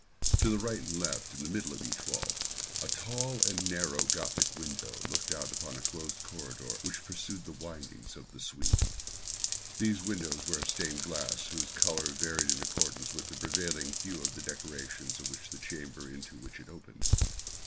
To the right and left, in the middle of each wall, a tall and narrow Gothic window looked out upon a closed corridor which pursued the windings of the suite. These windows were of stained glass whose color varied in accordance with the prevailing hue of the decorations of the chamber into which it opened.